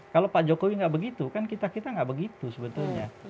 kalau pak jokowi nggak begitu kan kita kita nggak begitu sebetulnya